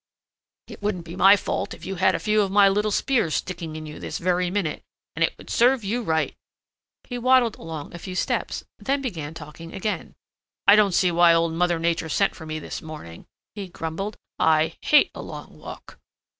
"It wouldn't be my fault if you had a few of my little spears sticking in you this very minute, and it would serve you right." He waddled along a few steps, then began talking again. "I don't see why Old Mother Nature sent for me this morning," he grumbled. "I hate a long walk."